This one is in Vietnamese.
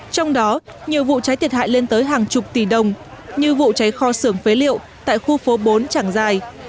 trong đó nhiều vụ cháy thiệt hại lên tới hàng chục tỷ đồng như vụ cháy kho sưởng phế liệu tại khu phố bốn trảng giài